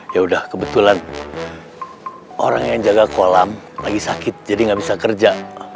ya udah kebetulan orang yang jaga kolam lagi sakit jadi nggak bisa kerja